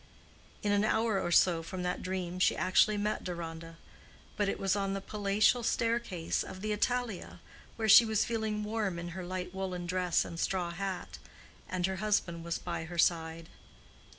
In an hour or so from that dream she actually met Deronda. But it was on the palatial staircase of the Italia, where she was feeling warm in her light woolen dress and straw hat; and her husband was by her side.